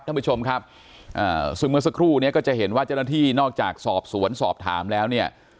ท่านผู้ชมครับอ่าซึ่งเมื่อสักครู่เนี้ยก็จะเห็นว่าเจ้าหน้าที่นอกจากสอบสวนสอบถามแล้วเนี่ย